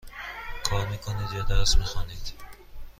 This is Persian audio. کار می کنید یا درس می خوانید؟